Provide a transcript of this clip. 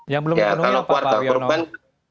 yang belum dipenuhi pak wiono